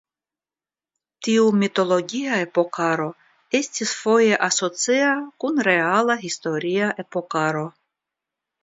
Tiu mitologia epokaro estis foje asocia kun reala historia epokaro.